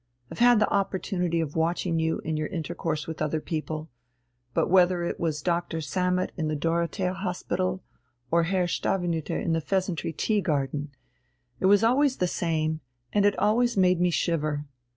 I've had the opportunity of watching you in your intercourse with other people; but whether it was Doctor Sammet in the Dorothea Hospital or Herr Stavenüter in the 'Pheasantry' Tea garden, it was always the same, and it always made me shiver.